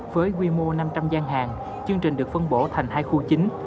với quy mô năm trăm linh gian hàng chương trình được phân bổ thành hai khu chính